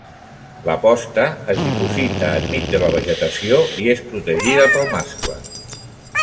La posta es diposita enmig de la vegetació i és protegida pel mascle.